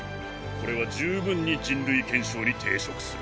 これは十分に人類憲章に抵触する。